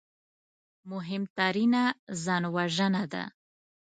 مهمترینه ځانوژنه ده